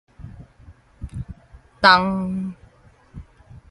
冬